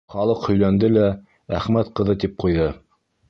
Халыҡ һөйләнде лә, Әхмәт ҡыҙы тип ҡуйҙы.